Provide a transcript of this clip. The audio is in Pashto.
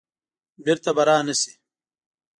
بیرته به را نه شي.